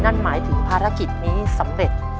นั่นหมายถึงภารกิจนี้สำเร็จ